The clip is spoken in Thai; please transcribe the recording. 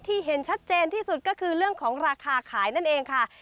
เห็นชัดเจนที่สุดก็คือเรื่องของราคาขายนั่นเองค่ะ